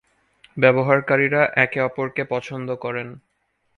ব্যবহারকারীরা একে অপরকে পছন্দ করেন।